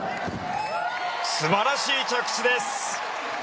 素晴らしい着地です。